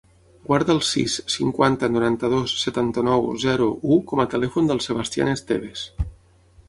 Guarda el sis, cinquanta, noranta-dos, setanta-nou, zero, u com a telèfon del Sebastian Esteves.